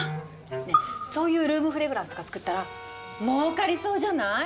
ねえそういうルームフレグランスとか作ったら儲かりそうじゃない？